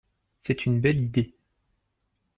C'est une belle idée.